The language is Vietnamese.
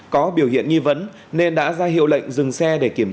có biểu hiện nghi vấn nên đã ra hiệu lệnh dừng xe